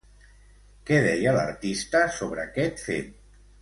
Què deia l'artista sobre aquest fet?